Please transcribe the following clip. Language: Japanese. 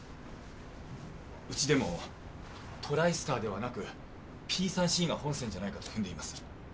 うちでもトライスターではなくＰ３Ｃが本線じゃないかと踏んでいます。